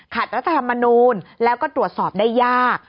รัฐธรรมนูลแล้วก็ตรวจสอบได้ยาก